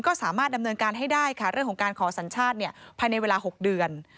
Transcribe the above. ก็สามารถดำเนินการให้ได้ค่ะเรื่องของการขอสัญชาติภายในเวลา๖เดือน